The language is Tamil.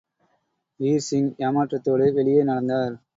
வீர்சிங் ஏமாற்றத்தோடு வெளியே நடந்தார்.